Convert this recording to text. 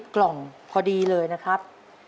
กล่องพอดีเลยนะครับ